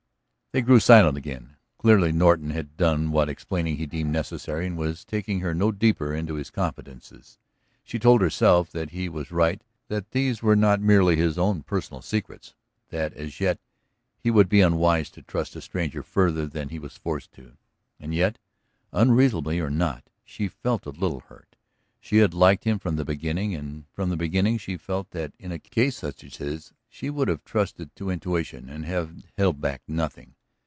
They grew silent again. Clearly Norton had done what explaining he deemed necessary and was taking her no deeper into his confidences. She told herself that he was right, that these were not merely his own personal secrets, that as yet he would be unwise to trust a stranger further than he was forced to. And yet, unreasonably or not, she felt a little hurt. She had liked him from the beginning and from the beginning she felt that in a case such as his she would have trusted to intuition and have held back nothing.